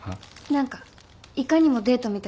何かいかにもデートみたいなこと。